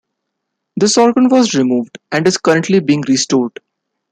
This organ was removed and is currently being restored.